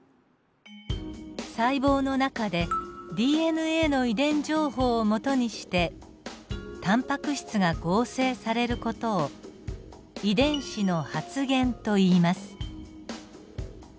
細胞の中でＤＮＡの遺伝情報をもとにしてタンパク質が合成される事を遺伝子の発現といいます。